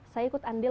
saya ikut andil